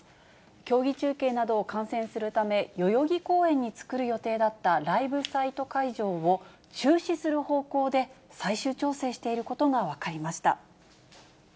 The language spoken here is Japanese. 競技中継などを観戦するため、代々木公園に作る予定だったライブサイト会場を中止する方向で、最終調整していることが分かりました。